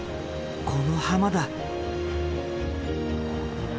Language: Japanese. この浜だ。